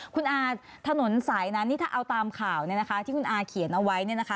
คุณอาถนนสายนั้นนี่ถ้าเอาตามข่าวที่คุณอาเขียนเอาไว้เนี่ยนะคะ